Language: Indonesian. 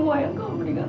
padilah bapak bersumpah om